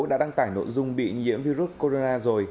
đã đăng tải nội dung bị nhiễm virus corona rồi